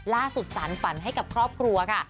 ล่าสุดสารฝันให้กับครอบครัวค่ะ